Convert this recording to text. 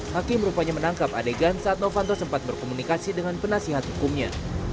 hakim rupanya menangkap adegan saat novanto sempat berkomunikasi dengan penasihat hukumnya